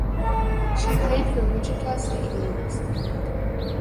She played for Wichita State University.